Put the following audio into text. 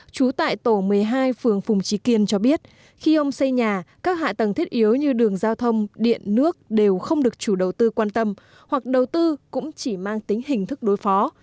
trú tại tổ một mươi hai phường phùng trí kiên cho biết khi ông xây nhà các hạ tầng thiết yếu như đường giao thông điện nước đều không được chủ đầu tư quan tâm hoặc đầu tư cũng chỉ mang tính hình thức đối phó